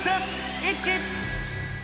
イッチ。